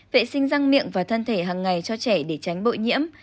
vệ sinh răng miệng và thân thể hàng ngày cho trẻ để tránh bội nhiễm